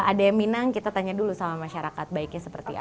ada yang minang kita tanya dulu sama masyarakat baiknya seperti apa